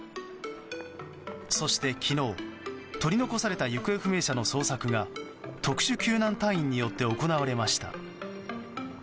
そして、昨日取り残された行方不明者の捜索が特殊救難隊員によって行われました。